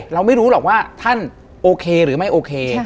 เราไม่รู้หรอกว่าท่านโอเคหรือไม่โอเค